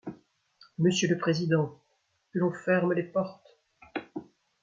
Monsieur le président : Que l'on ferme les portes.